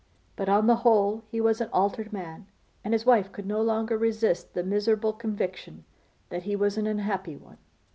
But on the whole he was an altered man; and his wife could no longer resist the miserable conviction that he was an unhappy one.